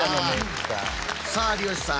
さあ有吉さん